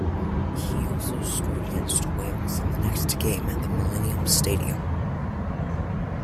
He also scored against Wales in the next game at the Millennium Stadium.